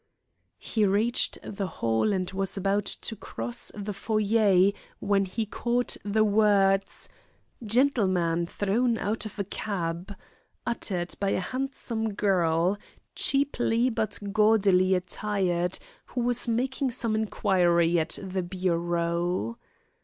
He reached the hall and was about to cross the foyer when he caught the words, "Gentleman thrown out of a cab," uttered by a handsome girl, cheaply but gaudily attired, who was making some inquiry at the bureau.